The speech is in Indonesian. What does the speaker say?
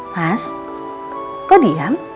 mas kok diam